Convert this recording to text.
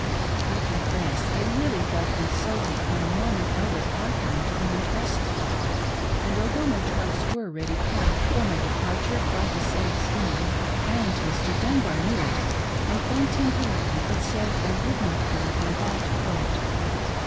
I confess I really felt insulted at a Mormon Elder offering to be my escort ; and although my trunks were iready packed for my departure by the same steamer, and Mr. AFRAID TO TRUST MYSELF. 43 Dunbar knew it, I thanked him politely but said I would not go by that boat.